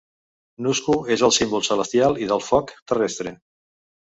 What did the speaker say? Nusku és el símbol celestial i del foc terrestre.